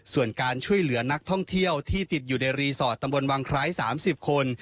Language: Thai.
ส่วนการช่วยเหลือนักท่องเที่ยวที่ติดอยู่ในรีสอร์ทตำบลวังไคร้๓๐คน